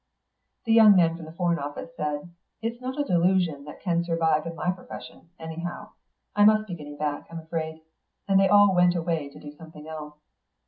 The young man from the Foreign Office said, "It's not a delusion that can survive in my profession, anyhow. I must be getting back, I'm afraid," and they all went away to do something else.